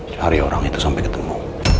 cari orang itu sampai ketemu